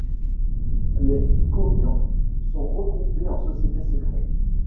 Les kômians sont regroupés en sociétés secrètes.